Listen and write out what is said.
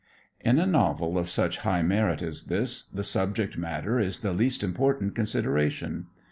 In a novel of such high merit as this, the subject matter is the least important consideration.